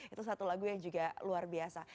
itu satu lagu yang juga luar biasa